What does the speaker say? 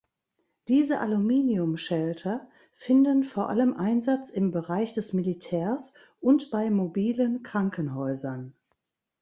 Diese Aluminium-Shelter finden vor allem Einsatz im Bereich des Militärs und bei mobilen Krankenhäusern.